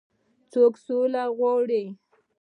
څوک سوله غواړي.